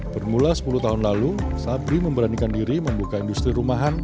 bermula sepuluh tahun lalu sabri memberanikan diri membuka industri rumahan